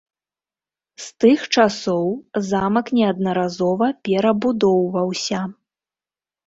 З тых часоў замак неаднаразова перабудоўваўся.